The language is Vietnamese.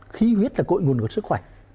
khí huyết là cội nguồn của sức khỏe